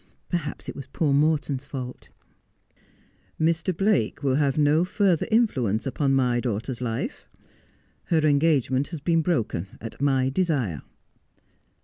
Perhaps it was poor Morton's fault.' ' Mr. Blake will have no further influence upon my daughter's life. Her engagement has been broken at my desire.'